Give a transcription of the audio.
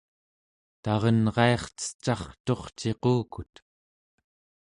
tarenraircecarturciqukut